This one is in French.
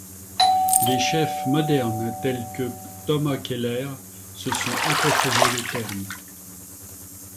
Des chefs modernes tels que Thomas Keller se sont approprié le terme.